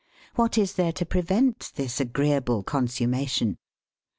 What is there to prevent this agreeable consummation?